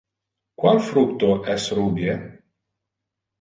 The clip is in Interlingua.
Qual fructo es rubie?